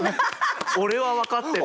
俺は分かってた？